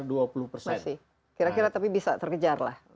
kira kira tapi bisa terkejar lah